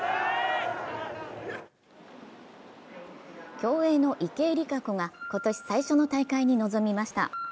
競泳の池江璃花子が今年最初の大会に臨みました。